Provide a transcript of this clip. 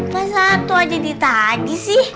masa satu aja ditaji sih